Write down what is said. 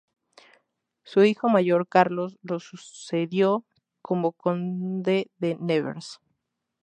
Su hijo mayor Carlos lo sucedió como conde de Nevers.